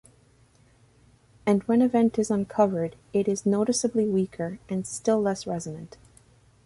And when a vent is uncovered it is noticeably weaker still and less resonant.